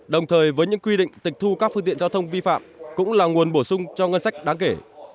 đồng thời với những quy định tịch thu các phương tiện giao thông vi phạm cũng là nguồn bổ sung cho ngân sách đáng kể